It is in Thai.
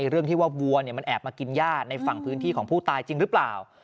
เรื่องที่ว่าวัวมันแอบมากินย่าในฝั่งพื้นที่ของผู้ตายจริงหรือเปล่า